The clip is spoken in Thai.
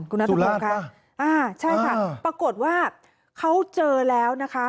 คุณนัทพงศ์ค่ะอ่าใช่ค่ะปรากฏว่าเขาเจอแล้วนะคะ